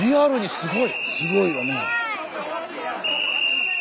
すごいよね。